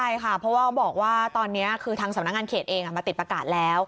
ใช่ค่ะเพราะว่าเขาบอกว่าตอนนี้คือทางสำนักงานเขตเองมาติดประกาศแล้ว